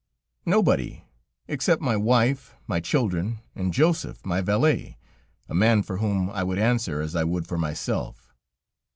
"Nobody, except my wife, my children, and Joseph, my valet, a man for whom I would answer as I would for myself."